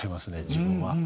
自分は。